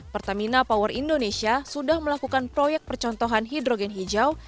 pertamina power indonesia sudah melakukan proyek percontohan hidrogen hijau